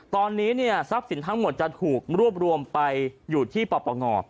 ตอนนี้เนี่ยทรัพย์สินทั้งหมดจะถูกรวบรวมไปอยู่ที่ปปง